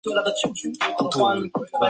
越狱者为陈聪聪和孙星辰。